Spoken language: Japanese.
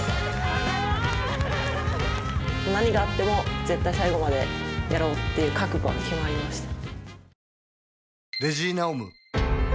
何があっても絶対最後までやろう！っていう覚悟は決まりました。